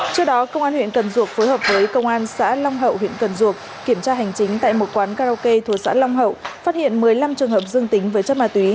trước đó công an huyện cần ruộc phối hợp với công an xã long hậu huyện cần ruộc kiểm tra hành chính